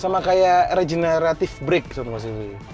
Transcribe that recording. sama kayak regenerative brake satu mas sih iya